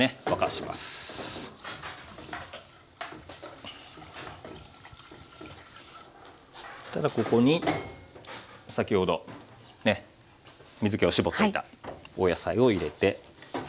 そしたらここに先ほどね水けを絞っていたお野菜を入れて。